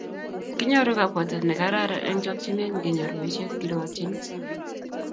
Kinyoru kabwatet negararan eng chokchinet ngenyor boisiet kirwotyini